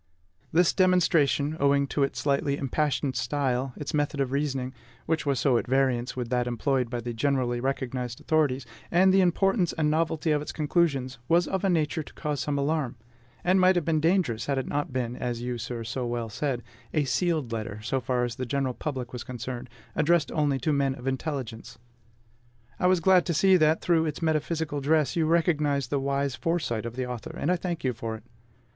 This demonstration, owing to its slightly impassioned style, its method of reasoning, which was so at variance with that employed by the generally recognized authorities, and the importance and novelty of its conclusions, was of a nature to cause some alarm; and might have been dangerous, had it not been as you, sir, so well said a sealed letter, so far as the general public was concerned, addressed only to men of intelligence. I was glad to see that through its metaphysical dress you recognized the wise foresight of the author; and I thank you for it.